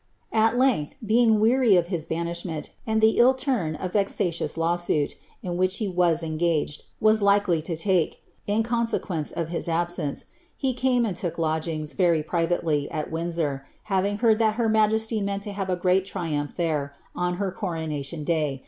At length, being weary of his banishment, and the ill turn a vexatious law suit, in ivhifh he was engaged, waa likely lo take, in consequence of his absence, he came and look lodgings, very privately, at Windsor, having heard that her majesty meant to have a great triumph there, on her coronation day.